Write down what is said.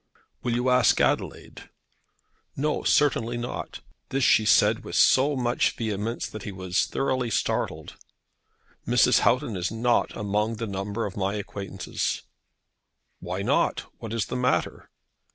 "Will you ask Adelaide?" "No; certainly not." This she said with so much vehemence that he was thoroughly startled. "Mrs. Houghton is not among the number of my acquaintances." "Why not? What is the matter?"